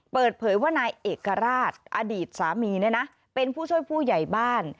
เปิดเผยว่านายเอกราชอดีตสามีเนี่ยนะเป็นผู้ช่วยผู้ใหญ่บ้าน